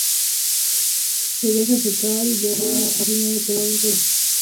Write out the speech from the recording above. Se deja secar y luego se añade color incorporando luces.